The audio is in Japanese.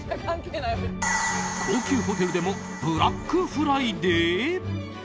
高級ホテルでもブラックフライデー？